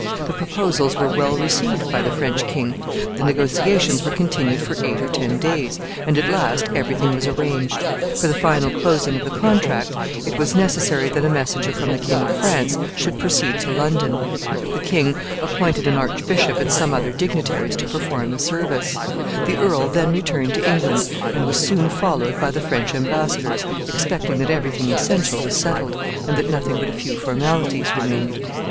The proposals were well received by the French king. The negotiations were continued for eight or ten days, and at last every thing was arranged. For the final closing of the contract, it was necessary that a messenger from the King of France should proceed to London. The king appointed an archbishop and some other dignitaries to perform the service. The earl then returned to England, and was soon followed by the French embassadors, expecting that every thing essential was settled, and that nothing but a few formalities remained.